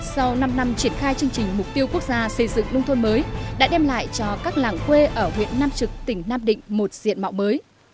sau năm năm triển khai chương trình mục tiêu quốc gia xây dựng nông thôn mới đã đem lại cho các làng quê ở huyện nam trực tỉnh nam định một diện mạo mới